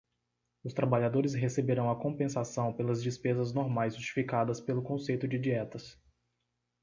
Os trabalhadores receberão a compensação pelas despesas normais justificadas pelo conceito de dietas.